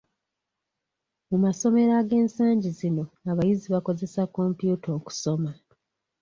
Mu masomero ag'ensangi zino, abayizi bakozesa kompyuta okusoma.